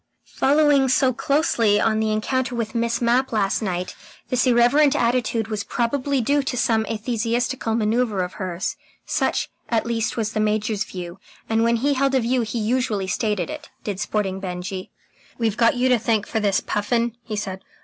Following so closely on the encounter with Miss Mapp last night, this irreverent attitude was probably due to some atheistical manoeuvre of hers. Such, at least, was the Major's view, and when he held a view he usually stated it, did Sporting Benjy. "We've got you to thank for this, Puffin," he said.